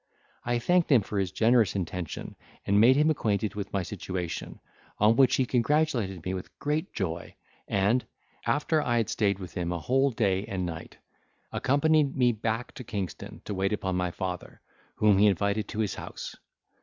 I thanked him for his generous intention, and made him acquainted with my situation, on which he congratulated me with great joy, and, after I had stayed with him a whole day and night, accompanied me back to Kingston, to wait upon my father, whom he invited to his house.